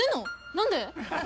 何で？